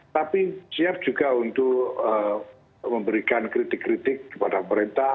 tapi siap juga untuk memberikan kritik kritik kepada pemerintah